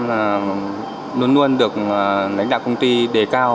chúng tôi luôn luôn được lãnh đạo công ty đề cao